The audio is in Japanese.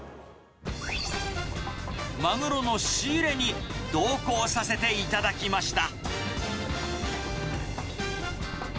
マグロの仕入れに同行させていただきました。